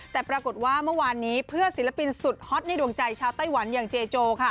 แต่ปรากฏว่าเมื่อวานนี้เพื่อนศิลปินสุดฮอตในดวงใจชาวไต้หวันอย่างเจโจค่ะ